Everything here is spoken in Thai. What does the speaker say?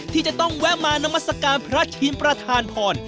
ที่จะต้องแวะมานามัศกาลพระทีมประธานพร